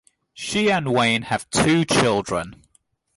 She and Wayne have two children.